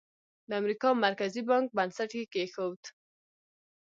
د امریکا مرکزي بانک بنسټ یې کېښود.